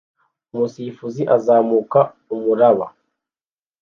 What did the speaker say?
umusifuzi uzamuka umuraba